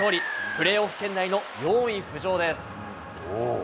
プレーオフ県内の４位浮上です。